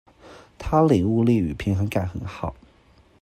他領悟力與平衡感很好